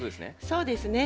そうですね。